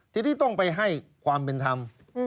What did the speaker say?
ทีนี้ต้องไปให้ความเป็นธรรม